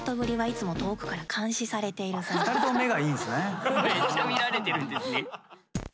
ちなみにめっちゃ見られてるんですね。